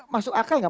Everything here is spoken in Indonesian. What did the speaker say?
masuk akal enggak